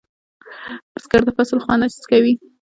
بزګر د فصل خوند حس کوي